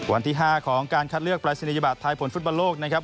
วันที่๕ของการคัดเลือกปรายศนียบัตรไทยผลฟุตบอลโลกนะครับ